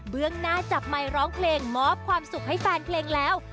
หน้าจับไมค์ร้องเพลงมอบความสุขให้แฟนเพลงแล้ว